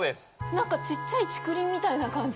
なんか、ちっちゃい竹林みたいな感じ。